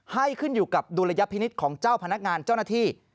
ให้ขึ้นอยู่กับดุลยพินิษฐ์ของเจ้าพนักงานเจ้าหน้าที่